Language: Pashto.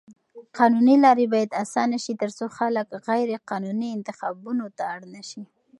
قانوني لارې بايد اسانه شي تر څو خلک غيرقانوني انتخابونو ته اړ نه شي.